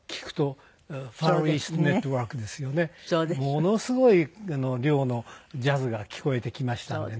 ものすごい量のジャズが聞こえてきましたんでね。